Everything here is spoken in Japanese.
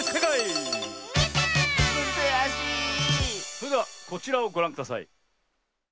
それではこちらをごらんください。